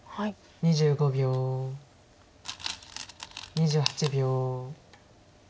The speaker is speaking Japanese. ２８秒。